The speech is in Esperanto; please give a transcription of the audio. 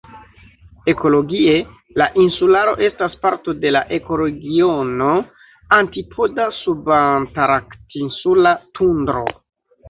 Ekologie, la insularo estas parto de la ekoregiono "antipoda-subantarktinsula tundro".